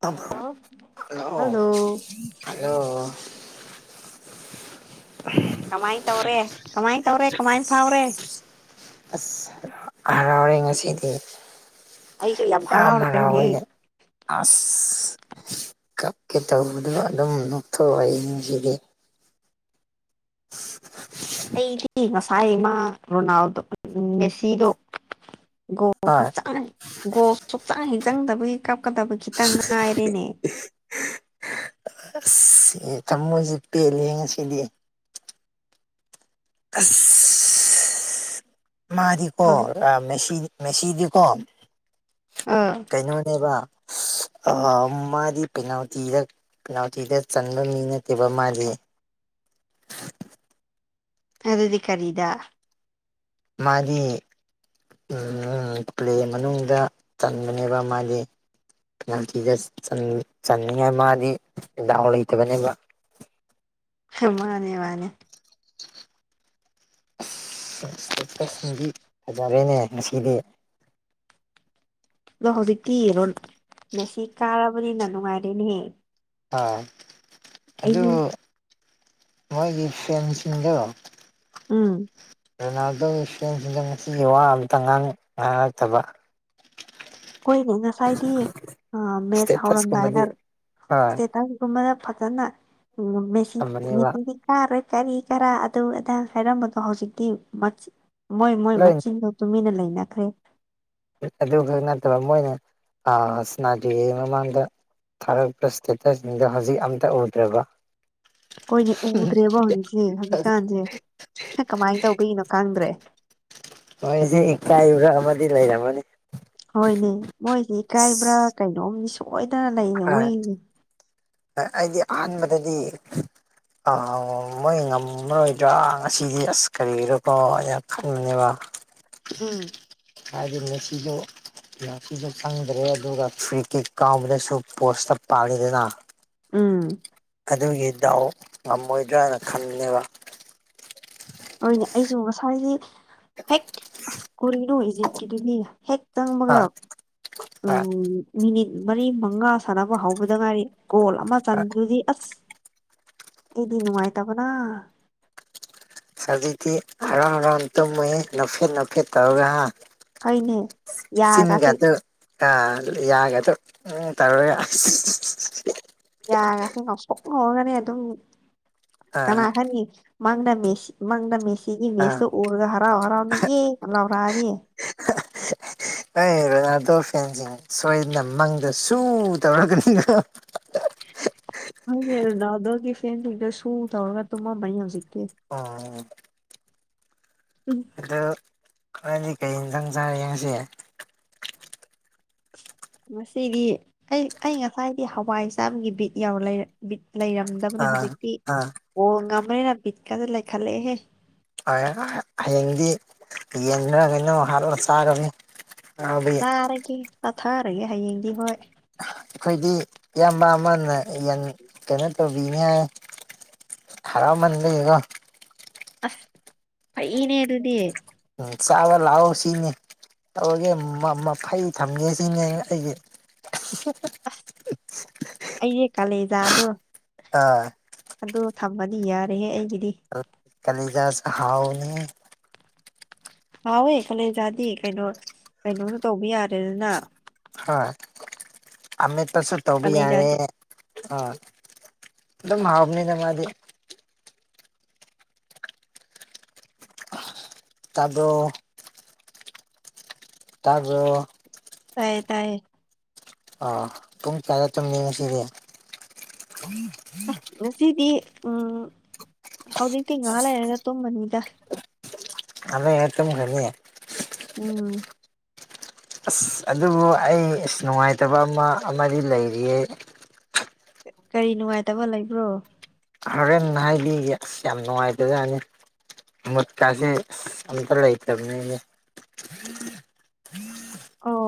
ꯇꯧꯕ꯭ꯔꯣ ꯑꯣ hello hello ꯀꯃꯥꯏ ꯇꯧꯔꯦ ꯀꯃꯥꯏ ꯇꯧꯔꯦ ꯀꯃꯥꯏ ꯐꯥꯎꯔꯦ ꯑꯁ ꯍꯔꯥꯎꯔꯦ ꯉꯁꯤꯗꯤ ꯑꯩꯁꯨ ꯌꯥꯝ ꯍꯔꯥꯎꯔꯦꯅꯦꯍꯦ ꯍꯔꯥꯎꯑꯦ ꯑꯁ ꯀꯞꯀꯦ ꯇꯧꯕꯗꯣ ꯑꯗꯨꯝ ꯅꯣꯛꯊꯣꯛꯑꯦ ꯉꯁꯤꯗꯤ [inaudible] ꯑꯩꯗꯤ ꯉꯁꯥꯏꯃ ꯔꯣꯅꯥꯜꯗꯣ ꯃꯦꯁꯤꯗꯣ ꯒꯣꯜ ꯍꯣꯏ ꯁꯨꯛꯆꯪ ꯒꯣꯜ ꯁꯨꯛꯆꯪ ꯍꯦꯛ ꯆꯪꯗꯕꯒꯤ ꯀꯞꯀꯗꯕꯒꯤ ꯈꯤꯇꯪ ꯉꯥꯏꯔꯤꯅꯦ ꯑꯦ ꯊꯃꯣꯏꯁꯤ ꯄꯦꯜꯂꯦꯍꯦ ꯉꯁꯤꯗꯤ ꯃꯥꯗꯤꯀꯣ ꯍꯧꯖꯤꯛ ꯑꯥ ꯃꯦꯁꯤꯗꯤ ꯃꯦꯁꯤꯗꯤꯀꯣ ꯑꯥ ꯀꯩꯅꯣꯅꯦꯕ [inaudible] ꯑꯥ ꯃꯥꯗꯤ ꯄꯦꯅꯥꯜꯇꯤꯗ ꯄꯦꯅꯥꯜꯇꯤꯗ ꯆꯟꯕ ꯃꯤ ꯅꯠꯇꯦꯕ ꯃꯥꯗꯤ [inaudible] ꯑꯗꯨꯗꯤ ꯀꯔꯤꯗ ꯃꯥꯗꯤ ꯎꯝ ꯄ꯭ꯂꯦ ꯃꯅꯨꯡꯗ ꯆꯟꯕꯅꯦꯕ ꯃꯥꯗꯤ ꯄꯦꯅꯥꯜꯇꯤꯗ ꯆꯟꯅꯤꯡꯉꯥꯏ ꯃꯥꯗꯤ ꯗꯥꯎ ꯂꯩꯇꯕꯅꯦꯕ ꯃꯥꯅꯦ ꯃꯥꯅꯦ ꯗꯤ ꯐꯖꯔꯦꯅꯦ ꯉꯁꯤꯗꯤ ꯑꯗꯣ ꯍꯧꯖꯤꯛꯇꯤ ꯔꯣꯟ ꯃꯦꯁꯤ ꯀꯥꯔꯕꯅꯤꯅ ꯅꯨꯡꯉꯥꯏꯔꯦꯅꯍꯦ ꯍꯥ ꯑꯗꯨ ꯃꯣꯏꯒꯤ ꯐꯦꯟꯁꯤꯡꯗꯣ ꯎꯝ ꯔꯣꯅꯥꯜꯗꯣꯒꯤ ꯐꯦꯟꯁꯤꯗꯣ ꯉꯁꯤꯒꯤ ꯋꯥ ꯑꯃꯇ ꯉꯥꯡ ꯉꯥꯡꯉꯛꯇꯕ ꯈꯣꯏꯒꯤ ꯉꯁꯥꯏꯗꯤ ꯑꯥ ꯃꯦꯠꯁ ꯍꯧꯔꯝꯗꯥꯏꯗ ꯏꯁꯇꯦꯇꯁꯀꯨꯝꯕꯗꯤ ꯍꯣꯏ ꯏꯁꯇꯦꯇꯁꯒꯨꯝꯕꯗ ꯐꯖꯅ ꯎꯝ ꯃꯦꯁꯤ ꯊꯝꯕꯅꯦꯕ ꯃꯦꯁꯤꯗꯤ ꯀꯥꯔꯣꯏ ꯀꯔꯤ ꯀꯔꯥ ꯑꯗꯨ ꯑꯗ ꯍꯥꯏꯔꯝꯕꯗꯣ ꯍꯧꯖꯤꯛꯇꯤ ꯃꯆꯤ ꯃꯣꯏ ꯃꯣꯏ ꯂꯣꯏ ꯃꯆꯤꯟꯗꯨ ꯇꯨꯃꯤꯟꯅ ꯂꯩꯅꯈ꯭ꯔꯦ ꯑꯗꯨ ꯈꯛ ꯅꯠꯇꯕ ꯃꯣꯏꯅ ꯑꯥ ꯁꯅꯥꯗꯔ꯭ꯤꯉꯩ ꯃꯃꯥꯡꯗ ꯊꯥꯒꯠꯄ ꯏꯁꯇꯦꯇꯁꯁꯤꯡꯗꯣ ꯍꯧꯖꯤꯛ ꯑꯝꯇ ꯎꯗ꯭ꯔꯕ ꯍꯣꯏꯅꯦ ꯎꯗ꯭ꯔꯦꯕ ꯍꯧꯖꯤꯛꯁꯤ ꯍꯧꯖꯤꯛꯀꯥꯟꯁꯦ ꯀꯃꯥꯏꯅ ꯇꯧꯕꯒꯤꯅꯣ ꯈꯪꯗ꯭ꯔꯦ ꯃꯣꯏꯁꯦ ꯏꯀꯥꯏꯕꯔꯥ ꯑꯃꯗꯤ ꯂꯩꯔꯝꯃꯅꯤ ꯍꯣꯏꯅꯦ ꯃꯣꯏꯁꯦ ꯏꯀꯥꯏꯕ꯭ꯔꯥ ꯑꯁ ꯀꯩꯅꯣꯝꯅꯤ ꯁꯣꯏꯗꯅ ꯂꯩꯅꯦ ꯃꯣꯏ ꯑꯥ ꯑꯩꯗꯤ ꯑꯍꯥꯟꯕꯗꯗꯤ ꯑꯥ ꯃꯣꯏ ꯉꯝꯃꯔꯣꯏꯗ꯭ꯔꯥ ꯉꯁꯤꯗꯤ ꯑꯁ ꯀꯔꯤꯒꯤꯔ꯭ꯀꯣ ꯑꯩꯅ ꯈꯟꯕꯅꯦꯕ ꯎꯝ ꯑꯩꯗꯤ ꯉꯁꯤꯗꯣ ꯉꯁꯤꯗꯣ ꯆꯪꯗ꯭ꯔꯦ ꯑꯗꯨꯒ ꯐ꯭ꯔꯤ ꯀꯤꯛ ꯀꯥꯎꯕꯗꯁꯨ ꯄꯣꯁꯇ ꯄꯥꯜꯂꯤꯗꯅ ꯎꯝ ꯑꯗꯨꯒꯤ ꯗꯥꯎ ꯉꯝꯃꯣꯏꯗ꯭ꯔꯥꯅ ꯈꯟꯕꯅꯦꯕ ꯍꯣꯏꯅꯦ ꯑꯩꯖꯨ ꯉꯁꯥꯏꯗꯤ ꯍꯦꯛ ꯑꯁ ꯀꯣꯔꯤꯅꯣ ꯏꯖꯤꯞꯀꯤꯗꯨꯗꯤ ꯍꯦꯛ ꯍꯥ ꯆꯪꯕꯒ ꯍꯥ ꯎꯝ ꯃꯤꯅꯤꯠ ꯃꯔꯤ ꯃꯉꯥ ꯁꯥꯟꯅꯕ ꯍꯧꯕꯗ ꯉꯥꯏꯔꯤ ꯒꯣꯜ ꯑꯃ ꯍꯥ ꯆꯟꯕꯗꯨꯗꯤ ꯑꯁ ꯑꯩꯗꯤ ꯅꯨꯡꯉꯥꯏꯇꯕꯅ ꯍꯧꯖꯤꯛꯇꯤ ꯍꯔꯥꯎ ꯍꯔꯥꯎꯅ ꯇꯨꯝꯃꯦꯍꯦ ꯅꯣꯛꯐꯦꯠ ꯅꯣꯛꯐꯦꯠ ꯇꯧꯔꯜ ꯍꯥ ꯐꯩꯅꯦ ꯌꯥꯒꯥꯁꯦ ꯆꯤꯟꯒꯗꯨ ꯑꯥ ꯌꯥꯒꯗꯣ ꯎꯝ ꯇꯧꯔꯒ ꯑꯁ [unintelligible] ꯑꯣꯒꯅꯤ ꯑꯗꯨꯝ ꯑꯥ ꯀꯅꯥ ꯈꯪꯅꯤ ꯃꯪꯗ ꯃꯦꯁꯤ ꯃꯪꯗ ꯃꯦꯁꯤ ꯁꯤꯒꯤ ꯑꯥ ꯃꯦꯁꯇꯨ ꯎꯔꯒ ꯍꯔꯥꯎ ꯍꯔꯥꯎ ꯅ ꯌꯦ ꯂꯥꯎꯔꯥꯑꯅꯤ [inaudible] ꯅꯩ ꯔꯣꯅꯥꯜꯗꯣ ꯐꯦꯟꯁꯤꯡ ꯁꯣꯏꯗꯅ ꯃꯪꯗ ꯁꯨ ꯇꯧꯔꯛꯒꯅꯤꯀꯣ [unintelligible] ꯅꯪꯒꯤ ꯔꯣꯅꯥꯜꯗꯣꯒꯤ ꯐꯦꯟꯁꯤꯡꯗꯣ ꯁꯨ ꯇꯧꯔꯒ ꯇꯨꯃꯝꯃꯅꯤ ꯍꯧꯖꯤꯛ ꯑꯣ ꯑꯗꯣ ꯅꯣꯏꯗꯤ ꯀꯩ ꯍꯦꯟꯖꯥꯡ ꯆꯥꯔꯒꯦ ꯉꯁꯤ ꯉꯁꯤꯗꯤ ꯑꯩ ꯑꯩ ꯉꯁꯥꯏꯗꯤ ꯍꯋꯥꯏ ꯆꯥꯕꯒꯤ ꯕꯤꯠ ꯌꯥꯎ ꯂꯩ ꯕꯤꯠ ꯂꯩꯔꯝꯗꯕꯅꯦ ꯑꯥ ꯍꯧꯖꯤꯛꯇꯤ ꯑꯥ ꯕꯣꯜ ꯉꯝꯕꯩꯔ ꯕꯤꯠꯀꯥꯖꯦ ꯂꯩꯈꯠꯂꯛꯑꯦꯍꯦ ꯍꯣꯏ ꯍꯌꯦꯡꯗꯤ ꯌꯦꯟꯔ ꯀꯩꯅꯣ ꯍꯥꯠꯂ ꯆꯥꯒꯅꯤ ꯆꯥꯔꯒꯦ ꯆꯥꯊꯔꯒꯦ ꯍꯌꯦꯡꯗꯤ ꯍꯣꯏ ꯑꯈꯣꯏꯗꯤ ꯏꯌꯥꯝꯕ ꯑꯃꯅ ꯌꯦꯟ ꯀꯩꯅꯣ ꯇꯧꯕꯤꯅꯤ ꯍꯥꯏ ꯍꯔꯥꯎꯃꯟꯕꯒꯤꯀꯣ ꯑꯁ ꯐꯩꯅꯦ ꯑꯗꯨꯗꯤ ꯎꯝ ꯆꯥꯕ ꯂꯥꯛꯑꯣ ꯁꯤꯅꯤ ꯇꯧꯔꯒꯦ ꯃ ꯃꯐꯩ ꯊꯝꯒꯦ ꯁꯤꯅꯦ ꯑꯩꯅ ꯑꯩꯒꯤ [unintelligible] ꯑꯁ ꯑꯩꯖꯦ ꯀꯂꯦꯖꯥꯗꯣ ꯑꯥ ꯑꯗꯣ ꯊꯝꯃꯗꯤ ꯌꯥꯔꯦꯍꯦ ꯑꯩꯒꯤ ꯀ ꯀꯂꯤꯖꯥꯁ ꯍꯥꯎꯅꯤꯍꯦ ꯍꯥꯎꯋꯦ ꯀꯣꯂꯦꯖꯥꯗꯤ ꯀꯩꯅꯣ ꯀꯩꯅꯣꯁꯨ ꯇꯧꯕ ꯌꯥꯔꯦꯗꯅ ꯍꯣꯏ ꯑꯃꯦꯠꯄꯁꯨ ꯇꯧꯕ ꯌꯥꯔꯦ ꯀꯥꯂꯦꯟꯖꯥꯗꯤ ꯑꯥ ꯑꯗꯨꯝ ꯍꯥꯥꯎꯕꯅꯦꯗ ꯃꯥꯗꯤ ꯇꯥꯕ꯭ꯔꯣ ꯇꯥꯕ꯭ꯔꯣ ꯇꯥꯏꯌꯦ ꯇꯥꯏꯌꯦ ꯑꯥ ꯄꯨꯡ ꯀꯌꯥꯗ ꯇꯨꯝꯃꯤ ꯉꯁꯤꯗꯤ ꯑꯁ ꯉꯁꯤꯗꯤ ꯎꯝ ꯍꯧꯖꯤꯛꯇꯤ ꯉꯍꯥꯛ ꯂꯩꯔꯒ ꯇꯨꯝꯃꯅꯤꯗ ꯉꯥꯛ ꯂꯩꯔ ꯇꯨꯝꯈ꯭ꯔꯅꯤ ꯎꯝ ꯑꯁ ꯑꯗꯨꯕꯨ ꯑꯩ ꯑꯁ ꯅꯨꯡꯉꯥꯏꯇꯕ ꯑꯃ ꯑꯃꯗꯤ ꯂꯩꯔꯤꯌꯦ ꯀꯔꯤ ꯅꯨꯡꯉꯥꯏꯇꯕ ꯂꯩꯕ꯭ꯔꯣ ꯍꯣꯔꯦꯟ ꯍꯥꯏꯕꯤꯒꯦ ꯑꯁ ꯌꯥꯝ ꯅꯨꯡꯉꯥꯏꯇꯖꯅꯤ ꯃꯨꯠꯀꯁꯦ ꯑꯁ ꯑꯝꯇ ꯂꯩꯇꯝꯅꯦꯍꯦ ꯑꯣ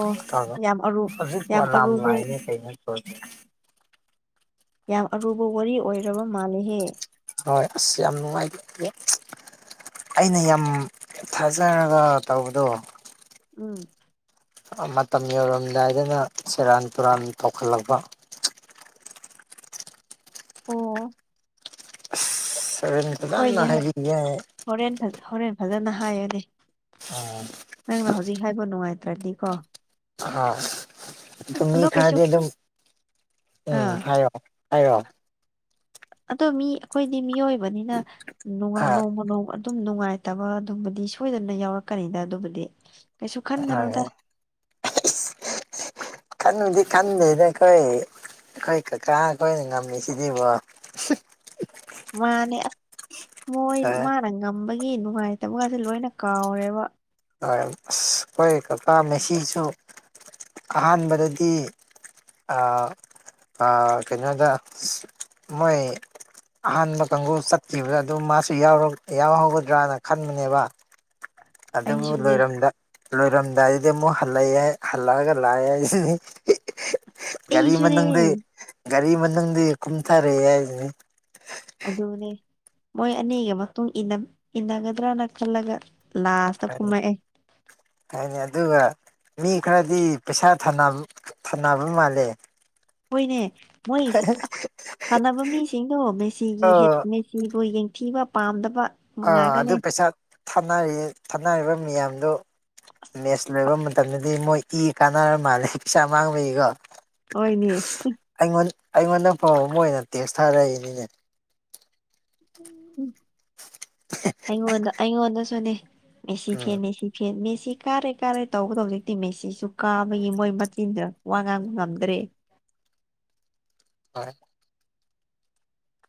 ꯌꯥꯝ ꯑꯔꯨ ꯌꯥꯝ ꯑꯔꯨꯕ [unintelligible] ꯌꯥꯝ ꯑꯔꯨꯕ ꯋꯥꯔꯤ ꯑꯣꯏꯔꯕ ꯃꯥꯂꯦꯍꯦ ꯍꯣꯏ ꯑꯁ ꯌꯥꯝ ꯅꯨꯡꯉꯥꯏꯇꯦ ꯑꯩꯅ ꯌꯥꯝ ꯊꯥꯖꯔꯒ ꯇꯧꯕꯗꯣ ꯎꯝ ꯑꯥ ꯃꯇꯝ ꯌꯧꯔꯝꯗꯥꯏꯗꯅ ꯁꯦꯔꯥꯟ ꯇꯨꯔꯥꯟ ꯇꯧꯈꯠꯂꯛꯄ ꯑꯣ ꯑꯁ ꯍꯣꯔꯦꯟ ꯐꯖꯅ ꯍꯣꯏꯅꯦ ꯍꯣꯏ ꯍꯥꯏꯕꯤꯒꯦ ꯍꯣꯔꯦꯟ ꯐ ꯍꯣꯔꯦꯟ ꯐꯖꯅ ꯍꯥꯏꯌꯣꯅꯦ ꯎꯝ ꯅꯪꯅ ꯍꯧꯖꯤꯛ ꯍꯥꯏꯕ ꯅꯨꯡꯉꯥꯏꯇ꯭ꯔꯗꯤꯀꯣ ꯑꯥ ꯑꯁ ꯑꯗꯨꯝ ꯃꯤ ꯑꯗꯣ ꯀꯩꯁꯨ ꯈꯔꯗꯤ ꯑꯗꯨꯝ ꯎꯝ ꯑꯥ ꯍꯥꯏꯌꯣ ꯍꯥꯏꯌꯣ ꯑꯗꯣ ꯃꯤ ꯑꯩꯈꯣꯏꯗꯤ ꯃꯤꯑꯣꯏꯕꯅꯤꯅ ꯅꯣꯡꯉ ꯑꯥ ꯅꯣꯡꯃ ꯅꯣꯡꯃ ꯑꯗꯨꯝ ꯅꯨꯡꯉꯥꯏꯇꯕ ꯑꯗꯨꯝꯕꯗꯤ ꯁꯣꯏꯗꯅ ꯌꯥꯎꯔꯛꯀꯅꯤꯗ ꯑꯗꯨꯕꯨꯗꯤ ꯀꯩꯁꯨ ꯈꯟꯒꯅꯣꯗ ꯍꯥꯏ ꯈꯟꯕꯨꯗꯤ ꯈꯟꯗꯦꯗ ꯑꯈꯣꯏ ꯑꯈꯣꯏ ꯀꯥꯀꯥ ꯈꯣꯏꯅ ꯉꯝꯃꯤ ꯁꯤꯗꯤꯕꯣ ꯃꯥꯅꯦ ꯑꯁ ꯃꯣꯏ ꯑꯁ ꯃꯥꯅ ꯉꯝꯕꯒꯤ ꯅꯨꯡꯉꯥꯏꯇꯕꯒꯁꯦ ꯂꯣꯏꯅ ꯀꯥꯎꯔꯦꯕ ꯑꯔ ꯑꯁ ꯑꯩꯈꯣꯏ ꯀꯀꯥ ꯃꯦꯁꯤꯁꯨ ꯑꯍꯥꯟꯕꯗꯗꯤ ꯑꯥ ꯑꯥ ꯀꯩꯅꯣꯗ ꯃꯣꯏ ꯑꯍꯥꯟꯕ ꯀꯥꯡꯒꯨ ꯆꯠꯈꯤꯕꯗ ꯑꯗꯨꯝ ꯃꯥꯁꯨ ꯌꯥꯎꯔꯛ ꯌꯥꯎꯍꯧꯒꯗ꯭ꯔꯅ ꯈꯟꯕꯅꯦꯕ ꯑꯗꯨꯕꯨ ꯑꯩꯁꯨꯅꯦ ꯂꯣꯏꯔꯝꯗ ꯂꯣꯏꯔꯝ ꯗꯥꯏꯗ ꯃꯨ ꯍꯜꯂꯥꯏ ꯍꯜꯂꯒ ꯂꯥꯏ ꯍꯥꯏꯁꯤꯅꯤ ꯒꯥꯔꯤ ꯑꯩꯁꯨꯅꯦ ꯃꯅꯨꯡꯗꯩ ꯒꯥꯔꯤ ꯃꯅꯨꯡꯗꯤ ꯀꯨꯝꯊꯔꯛꯑꯦ ꯍꯥꯏꯖꯤꯅꯤ ꯑꯗꯨꯅꯦ ꯃꯣꯏ ꯑꯅꯤꯒꯤ ꯃꯇꯨꯡ ꯏꯅꯞ ꯏꯟꯅꯒꯗ꯭ꯔꯅ ꯈꯜꯂꯒ ꯂꯥꯁꯇ ꯍꯥꯏ ꯀꯨꯝꯃꯛꯑꯦ ꯍꯥꯏꯅꯦ ꯑꯗꯨꯒ ꯃꯤ ꯈꯔꯗꯤ ꯄꯩꯁꯥ ꯊꯥꯅꯞ ꯊꯥꯟꯅꯕ ꯃꯥꯜꯂꯦ ꯍꯣꯏꯅꯦ ꯃꯣꯏꯒꯤꯁꯦ ꯊꯥꯟꯅꯕ ꯃꯤꯁꯤꯡꯗꯣ ꯑ ꯃꯦꯁꯤꯒꯤ ꯍꯦꯠ ꯃꯦꯁꯤꯕꯨ ꯌꯦꯡꯊꯤꯕ ꯄꯥꯝꯗꯕ ꯑꯥ ꯃꯉꯥꯛꯇꯅꯦ ꯑꯗꯨ ꯄꯩꯁꯥ ꯊꯥꯅꯔꯤꯌꯦ ꯊꯥꯅꯔꯤꯕ ꯃꯤꯌꯥꯝꯗꯨ ꯑꯁ ꯃꯦꯠꯁ ꯂꯣꯏꯕ ꯃꯇꯝꯗꯗꯤ ꯃꯣꯏ ꯏ ꯀꯥꯟꯅꯔ ꯃꯥꯜꯂꯦ ꯄꯩꯁꯥ ꯃꯥꯡꯕꯒꯤꯀꯣ ꯑꯣꯏꯅꯦ ꯑꯩꯉꯣꯟ ꯑꯩꯉꯣꯟꯗ ꯐꯥꯎ ꯃꯣꯏꯅ ꯇꯦꯛꯁ ꯊꯥꯔꯛꯏꯅꯤꯅꯦ ꯑꯩꯉꯣꯟꯗ ꯑꯩꯉꯣꯟꯗꯁꯨꯅꯦ ꯃꯦꯁꯤ ꯐꯦꯟ ꯎꯝ ꯃꯦꯁꯤ ꯐꯦꯟ ꯃꯦꯁꯤ ꯀꯥꯔꯦ ꯀꯥꯔꯦ ꯇꯧꯕꯒꯗ ꯍꯧꯖꯤꯛꯇꯤ ꯃꯦꯁꯤꯁꯨ ꯀꯥꯕꯒꯤ ꯃꯣꯏ ꯃꯆꯤꯟꯗꯨꯅ ꯋꯥ ꯉꯥꯡꯕ ꯉꯝꯗ꯭ꯔꯦ ꯍꯣꯏ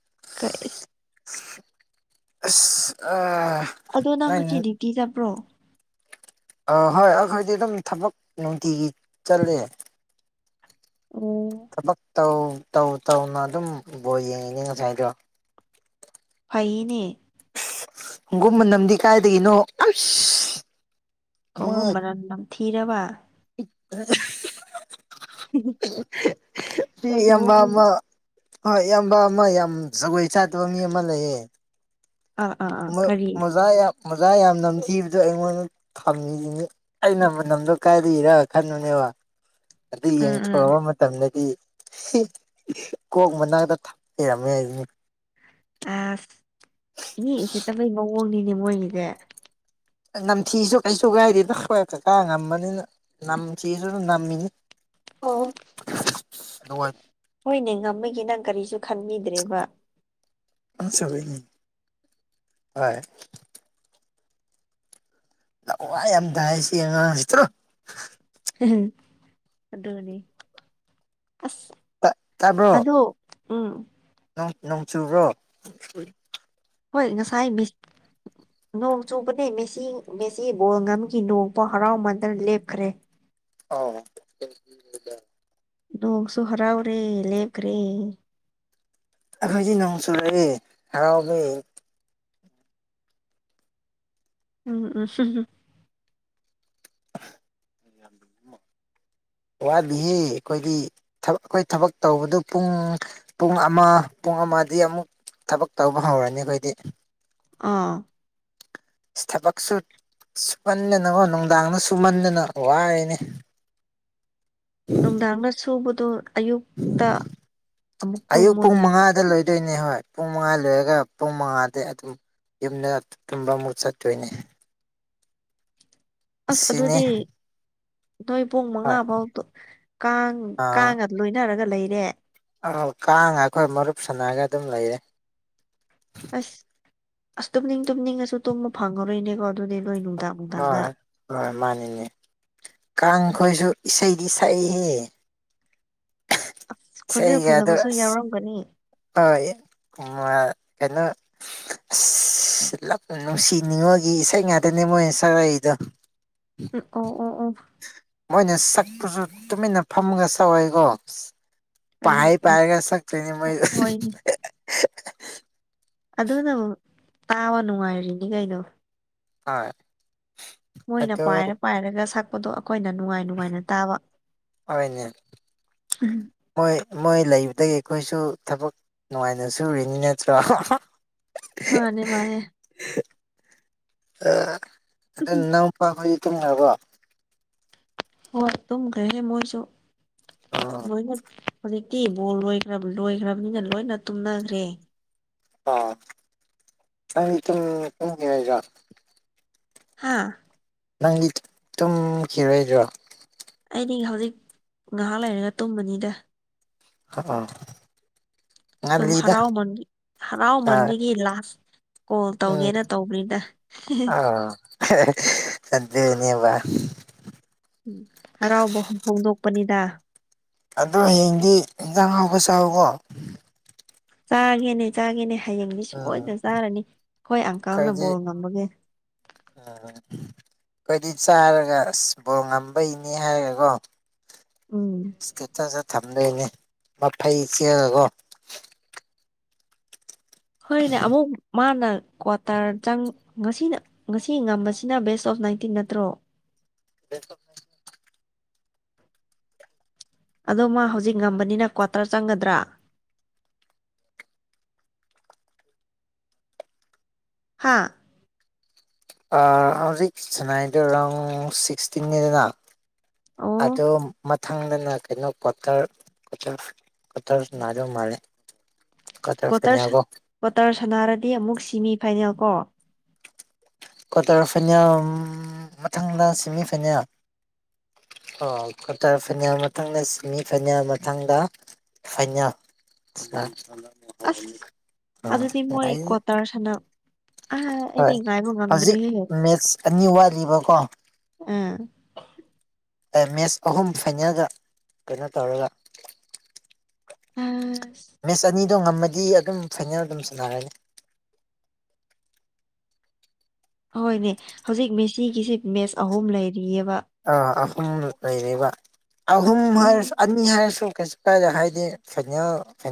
[unintelligible] ꯑꯁ ꯑ ꯑꯗꯣ ꯅꯪ ꯉꯁꯤ ꯗ꯭ꯌꯨꯇꯤ ꯆꯠꯕ꯭ꯔꯣ ꯑ ꯍꯣꯏ ꯑꯩꯈꯣꯏꯗꯤ ꯑꯗꯨꯝ ꯊꯕꯛ ꯅꯨꯡꯇꯤꯒꯤ ꯆꯠꯂꯦ ꯑꯣ ꯊꯕꯛ ꯇꯧ ꯇꯧꯅ ꯑꯗꯨꯝ ꯕꯣꯜ ꯌꯦꯡꯉꯤꯅꯦ ꯉꯁꯥꯏꯗꯣ ꯐꯩꯌꯦꯅꯦ ꯍꯪꯒꯨꯝ ꯃꯅꯝꯗꯤ ꯀꯥꯏꯗꯒꯤꯅꯣ ꯑꯁ ꯃꯥ ꯈꯣꯡꯉꯨꯞ ꯃꯅꯝ ꯅꯝꯊꯤꯔꯕ ꯀꯩꯅꯣ ꯏꯌꯥꯝꯕ ꯑꯃ ꯍꯣꯏ ꯏꯌꯥꯝꯕ ꯑꯃ ꯌꯥꯝ ꯖꯒꯣꯏ ꯆꯥꯗꯕ ꯃꯤ ꯑꯃ ꯂꯩꯌꯦ ꯑꯥ ꯑꯥ ꯑꯥ ꯃꯣ ꯀꯔꯤ ꯃꯣꯖꯥ ꯌꯥꯝ ꯃꯣ ꯃꯣꯖꯥ ꯌꯥꯝ ꯅꯝꯊꯤꯕꯗꯣ ꯑꯩꯉꯣꯟꯗ ꯊꯝꯃꯤꯁꯤꯅꯤ ꯑꯩꯅ ꯃꯅꯝꯗꯣ ꯀꯥꯏꯗ ꯏꯔ ꯈꯟꯕꯅꯦꯕ [inaudible] ꯑꯗꯨ ꯎꯝ ꯌꯦꯡꯊꯣꯛꯑꯕ ꯃꯇꯝꯗꯗꯤ ꯀꯣꯛ ꯃꯅꯥꯛꯇ ꯊꯝ ꯂꯩꯔꯝꯃꯦ ꯍꯥꯏꯁꯤꯅꯤ ꯑꯁ ꯃꯤ ꯎꯁꯤꯠꯇꯕꯩ ꯃꯑꯣꯡꯅꯤꯅꯦ ꯃꯣꯏꯒꯤꯁꯦ ꯅꯝꯊꯤꯁꯨ ꯀꯩꯁꯨ ꯀꯥꯏꯗꯦ ꯅ ꯍꯣꯏ ꯀꯀꯥ ꯉꯝꯕꯅꯤꯅ ꯅꯝꯊꯤꯁꯨ ꯑꯗꯨ ꯅꯝꯃꯤꯅꯤ ꯍꯣꯏ ꯑꯗꯣ ꯍꯣꯏꯅꯦ ꯉꯝꯕꯒꯤ ꯅꯪ ꯀꯔꯤꯁꯨ ꯈꯟꯕꯤꯗ꯭ꯔꯦꯕ [unintelligible] ꯂꯋꯥꯏ ꯌꯥꯝ ꯇꯥꯏꯁꯤ ꯑꯉꯥꯡꯁꯤ ꯆꯠꯂꯨ [unintelligible] ꯑꯗꯨꯗꯅꯤ ꯑꯁ ꯑꯗꯨ ꯎꯝ ꯑꯥ ꯅꯣꯡ ꯆꯨꯕ꯭ꯔꯣ ꯍꯣꯏ ꯉꯁꯥꯏ ꯃꯤꯁ ꯅꯣꯡ ꯆꯨꯕꯅꯦ ꯃꯦꯁꯤ ꯃꯦꯁꯤ ꯕꯣꯜ ꯉꯝꯈꯤ ꯅꯣꯡꯕꯨꯛ ꯍꯔꯥꯎꯃꯥꯟꯗꯅ ꯂꯦꯞꯈ꯭ꯔꯦ ꯑꯥꯎ [unintelligible] ꯅꯣꯡꯁꯨ ꯍꯔꯥꯎꯔꯦ ꯂꯦꯞꯈ꯭ꯔꯦ ꯑꯩꯈꯣꯏꯗꯤ ꯅꯣꯡ ꯆꯨꯔꯛ ꯑꯦ ꯍꯔꯥꯎꯕꯩ ꯎꯝ ꯎꯝ [unintelligible] [unintelligible] ꯋꯥꯠꯂꯤ ꯑꯩꯈꯣꯏꯒꯤ ꯑꯩꯈꯣꯏ ꯊꯕꯛ ꯇꯧꯕꯗꯨ ꯄꯨꯡ ꯄꯨꯡ ꯑꯃ ꯄꯨꯡ ꯑꯃꯗꯒꯤ ꯑꯃꯨꯛ ꯊꯕꯛ ꯇꯧꯕ ꯍꯧꯔꯅꯤ ꯑꯩꯈꯣꯏꯗꯤ ꯑꯥ ꯊꯕꯛꯁꯨ ꯁꯨꯃꯟꯗꯅꯀꯣ ꯅꯨꯡꯗꯥꯡꯗ ꯁꯨꯃꯟꯗꯅ ꯋꯥꯔꯦꯅꯦ ꯅꯨꯡꯗꯥꯡꯅ ꯁꯨꯕꯗꯣ ꯑꯌꯨꯛꯇ ꯑꯃꯨꯛ ꯑꯌꯨꯛ ꯄꯨꯡ ꯇꯨꯝꯃꯣꯅꯦ [unintelligible] ꯍꯣꯏ ꯄꯨꯡ ꯃꯉꯥ ꯂꯣꯏꯔꯒ ꯄꯨꯡ ꯃꯉꯥꯗꯒꯤ ꯑꯗꯨꯝ ꯌꯨꯝꯗ ꯇꯨꯝꯕ ꯑꯃꯨꯛ ꯆꯠꯇꯣꯏꯅꯦ ꯑꯁ ꯁꯤꯅꯤ ꯑꯗꯨꯗꯤ ꯅꯣꯏ ꯄꯨꯡ ꯃꯉꯥ ꯍꯣꯏ ꯕꯥꯎꯇꯨ ꯀꯥꯡ ꯀꯥꯡꯉ ꯂꯣꯏꯅꯔꯒ ꯂꯩꯔꯦ꯫ ꯑ ꯀꯥꯡꯒ ꯑꯩꯈꯣꯏ ꯃꯔꯨꯞ ꯁꯅꯔꯒ ꯑꯗꯨꯝ ꯂꯩꯔꯦ꯫ ꯑꯁ ꯑꯁ ꯇꯨꯝꯅꯤꯡ ꯇꯨꯝꯅꯤꯡꯉꯁꯨ ꯇꯨꯝꯕ ꯐꯪꯉꯔꯣꯏꯅꯦꯀꯣ꯫ ꯑꯗꯨꯗꯤ ꯅꯣꯏ ꯅꯨꯡꯗꯥꯡ ꯅꯨꯡꯗꯥꯡꯗ ꯍꯣꯏ ꯍꯣꯏ ꯃꯥꯅꯤꯅꯦ꯫ ꯀꯥꯡꯈꯣꯏꯁꯨ ꯏꯁꯩꯗꯤ ꯁꯛꯏꯍꯦ꯫ ꯈꯣꯟꯖꯦꯜ ꯁꯩꯒ ꯑꯗꯨ ꯐꯖꯕꯁꯨ ꯑꯁ ꯌꯥꯎꯔꯝꯒꯅꯤ ꯍꯣꯏ ꯃꯥ ꯀꯩꯅꯣ ꯑꯁ ꯂꯞ ꯅꯨꯡꯁꯤꯅꯤꯡꯉꯣꯒꯤ ꯏꯁꯩ ꯉꯥꯛꯇꯅꯦ ꯃꯣꯏꯅ ꯁꯥꯔꯛꯏꯗꯣ ꯑꯣ ꯑꯣ ꯑꯣ ꯑꯗꯨꯁꯨ ꯇꯨꯃꯤꯟꯅ ꯐꯝꯃꯒ ꯁꯛꯑꯣꯏꯀꯣ ꯎꯝ ꯄꯥꯏꯔ ꯄꯥꯏꯔꯒ ꯁꯛꯇꯣꯏꯅꯤ ꯃꯣꯏ ꯍꯣꯏꯅꯦ ꯑꯗꯨꯅꯕꯨ ꯇꯥꯕ ꯅꯨꯡꯉꯥꯏꯔꯤꯅꯤ ꯀꯩꯅꯣ ꯇꯥꯢ ꯃꯣꯏꯅ ꯄꯥꯏꯔ ꯄꯥꯏꯔꯒ ꯁꯛꯄꯗꯣ ꯑꯩꯈꯣꯏ ꯑꯩꯈꯣꯏꯅ ꯅꯨꯡꯉꯥꯏ ꯅꯨꯡꯉꯥꯏꯅ ꯇꯥꯕ ꯍꯣꯏꯅꯦ ꯃꯣꯏ ꯃꯣꯏ ꯂꯩꯕꯗꯒꯤ ꯑꯩꯈꯣꯏꯁꯨ ꯊꯕꯛ ꯅꯨꯡꯉꯥꯏꯅ ꯁꯨꯔꯤꯅꯤ ꯅꯠꯇ꯭ꯔꯣ ꯃꯥꯅꯦ ꯃꯥꯅꯦ [unintelligible] ꯇꯨꯝꯈꯔꯕꯣ ꯍꯣꯏ ꯇꯨꯝꯈ꯭ꯔꯦ ꯃꯣꯏꯁꯨ ꯂꯣꯏꯅ ꯍꯧꯖꯤꯛ ꯇꯤ ꯕꯣꯜ ꯂꯣꯏꯈ꯭ꯔ ꯂꯣꯏꯈ꯭ꯔꯕꯅꯤꯅ ꯂꯣꯏꯅ ꯇꯨꯝꯅꯈ꯭ꯔꯦ ꯑ ꯑꯩ ꯇꯨꯝꯅꯤꯡꯉꯦ ꯅꯪ ꯇꯨꯝꯈꯤꯔꯣꯢꯗꯔꯣ ꯍꯥꯥ ꯅꯪꯗꯤ ꯇꯨꯝꯈꯤꯔꯣꯏꯗ꯭ꯔꯣ ꯃꯤ ꯍꯧꯖꯤꯛ ꯉꯥꯏꯍꯥꯛ ꯂꯩꯔꯒ ꯇꯨꯝꯃꯅꯤꯗ ꯑ ꯑꯥ ꯁꯨꯝ ꯍꯔꯥꯎꯝꯟ ꯑ ꯍꯔꯥꯎꯃꯟꯕꯒꯤ ꯂꯥꯁ ꯀꯣꯜ ꯎꯝ ꯇꯧꯒꯦꯅ ꯇꯧꯕꯅꯤꯗ ꯑꯥ ꯑꯗꯨꯅꯦꯕ ꯎꯝ ꯍꯔꯥꯎꯕ ꯐꯣꯡꯗꯣꯛꯄꯅꯤꯗ ꯑꯗꯣ ꯍꯌꯦꯡꯗꯤ ꯏꯟꯖꯥꯡ ꯑꯍꯥꯎꯕ ꯆꯥꯎꯀꯣ ꯆꯥꯒꯦꯅꯦ ꯆꯥꯒꯦꯅꯦ ꯍꯌꯦꯡꯗꯤ ꯎꯝ ꯁꯣꯏꯗꯅ ꯆꯥꯔꯅꯤ ꯑꯈꯣꯏ ꯑꯪꯀꯜꯅ ꯕꯣꯜ ꯑꯩꯈꯣꯏꯗꯤ ꯉꯝꯕꯒꯤ ꯑꯈꯣꯏꯗꯤ ꯆꯥꯔꯒ ꯑꯁ ꯕꯣꯜ ꯉꯝꯕꯩꯅꯤ ꯍꯥꯏꯔꯒꯀꯣ ꯎꯝ ꯢꯁꯇꯦꯇꯁꯒ ꯊꯝ ꯗꯣꯢꯅꯦ ꯃꯐꯩ ꯆꯤꯛꯑꯒꯀꯣ ꯍꯣꯢꯅꯦ ꯑꯃꯨꯛ ꯃꯥꯅ ꯀ꯭ꯋꯥꯇꯔ ꯆꯪ ꯉꯁꯤꯅ ꯉꯁꯤ ꯉꯝꯕꯁꯤꯅ ꯕꯦꯁ ꯑꯣꯐ ꯅꯥꯏꯟꯇꯤꯟ ꯅꯠꯇ꯭ꯔꯣ [unintelligible] ꯑꯗꯣ ꯃꯥ ꯍꯧꯖꯤꯛ ꯉꯝꯕꯅꯤꯅ ꯀ꯭ꯋꯥꯇꯔ ꯆꯪꯒꯗ꯭ꯔꯥ ꯍꯥꯥ ꯑꯥ ꯍꯧꯖꯤꯛ ꯁꯥꯅꯩꯗꯣ ꯔꯥꯎꯟ ꯁꯤꯛꯁꯇꯤꯟꯅꯤꯗꯅ ꯑꯣ ꯑꯗꯣ ꯃ ꯊꯪꯗꯅ ꯀꯩꯅꯣ ꯀ꯭ꯋꯥꯇꯔ ꯀ꯭ꯇꯔ ꯀ꯭ꯇꯔ ꯁꯟꯅꯥꯗꯣꯏ ꯃꯥꯜꯂꯦ ꯀ꯭ꯋꯥꯇꯔ ꯀꯋꯥ꯭ꯇꯔ ꯐꯥꯏꯅꯦꯜꯀꯣ ꯀ꯭ꯋꯥꯇꯔ ꯁꯅꯥꯔꯗꯤ ꯑꯃꯨꯛ ꯁꯤꯃꯤ ꯐꯥꯏꯅꯦꯜ ꯀꯣ ꯀꯋꯥꯇꯔ ꯐꯥꯢꯅꯦꯜ ꯃꯊꯪꯗ ꯁꯤꯃꯤ ꯐꯥꯢꯅꯦꯜ ꯑꯣ ꯀ꯭ꯋꯥꯇꯔ ꯐꯥꯏꯅꯦꯜ ꯃꯊꯪꯗ ꯁꯤꯃꯤ ꯐꯥꯏꯅꯦꯜ ꯃꯊꯪꯗ ꯐꯥꯢꯅꯦꯜ ꯑꯁ [unintelligible] ꯑꯥ ꯑꯩꯗꯤ ꯉꯥꯏꯕ ꯍꯧꯖꯤꯛ ꯉꯝꯗ꯭ꯔꯦꯍꯦ ꯃꯦꯠꯁ ꯑꯅꯤ ꯋꯥꯠꯂꯤꯕꯀꯣ ꯑꯥ ꯃꯦꯠꯁ ꯑꯍꯨꯝ ꯐꯥꯏꯅꯦꯜꯗ ꯀꯩꯅꯣ ꯇꯧꯔꯒ ꯎꯝ ꯃꯦꯠꯁ ꯑꯅꯤꯗꯣ ꯉꯝꯃ ꯒꯤ ꯑꯗꯨꯝ ꯐꯥꯢꯅꯦꯜ ꯑꯗꯨꯝ ꯁꯅꯔꯅꯤ ꯍꯣꯏꯅꯦ ꯍꯧꯖꯤꯛ ꯃꯦꯁꯤꯒꯤꯁꯦ ꯃꯦꯠꯁ ꯑꯍꯨꯝ ꯂꯩꯔꯤ ꯑꯥ ꯑꯍꯨꯝ ꯂꯩꯔꯤꯕ ꯑꯍꯨꯝ ꯎꯝ ꯍꯥꯏꯔꯁꯨ ꯑꯅꯤ ꯍꯥꯏꯔꯁꯨ ꯀꯩꯁꯨ ꯀꯥꯏꯗꯦ ꯍꯥꯏꯗꯤ ꯐꯥꯢꯅꯦꯜ ꯐꯥꯢꯅꯦꯜ